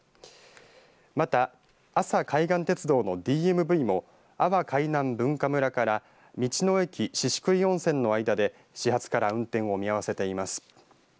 また、阿佐海岸鉄道のＤＭＶも阿波海南文化村から道の駅宍喰温泉の間で始発から運転を見合わせています。